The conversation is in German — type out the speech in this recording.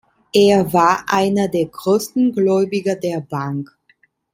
Er war einer der größten Gläubiger der Bank.